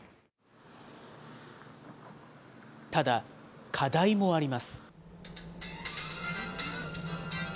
ただ、課題もあります。